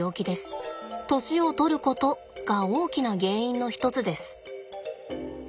年をとることが大きな原因の一つです。